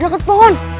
ada deket pohon